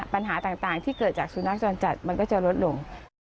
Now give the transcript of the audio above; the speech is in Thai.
ปัญหาต่างที่เกิดจากสุนัขจรจัดมันก็จะลดลง